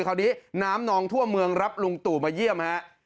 คราวนี้น้ำนองทั่วเมืองรับลุงตู่มาเยี่ยมฮะ